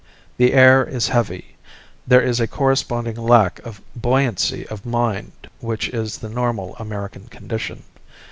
The air is heavy; there is a corresponding lack of the buoyancy of mind which is the normal American condition.